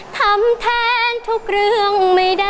ทำแทนทุกเรื่องไม่ได้